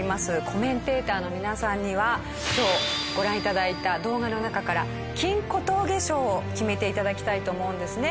コメンテーターの皆さんには今日ご覧頂いた動画の中から金小峠賞を決めて頂きたいと思うんですね。